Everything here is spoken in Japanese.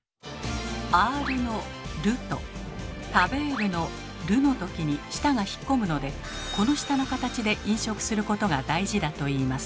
「アール」の「ル」と「タベール」の「ル」の時に舌が引っ込むのでこの舌の形で飲食することが大事だといいます。